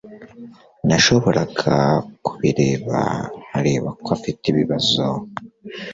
Nashoboraga kubireba nkareba ko afite ibibazo.